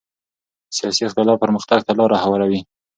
سیاسي اختلاف پرمختګ ته لاره هواروي